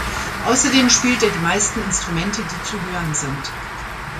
Außerdem spielt er die meisten Instrumente, die zu hören sind.